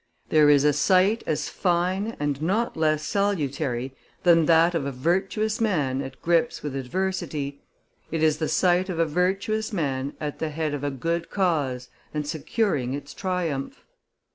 "There is a sight as fine and not less salutary than that of a virtuous man at grips with adversity; it is the sight of a virtuous man at the head of a good cause and securing its triumph.